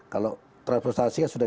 kalau transportasi sudah